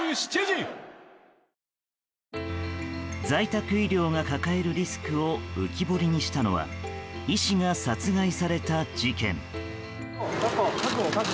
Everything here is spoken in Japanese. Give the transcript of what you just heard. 在宅医療が抱えるリスクを浮き彫りにしたのは医師が殺害された事件。